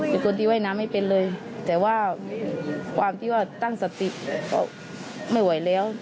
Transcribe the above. เป็นคนที่ว่ายน้ำไม่เป็นเลยแต่ว่าความที่ว่าตั้งสติก็ไม่ไหวแล้ว